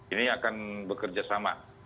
ini akan bekerja sama